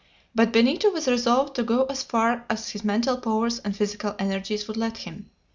But Benito was resolved to go as far as his mental powers and physical energies would let him.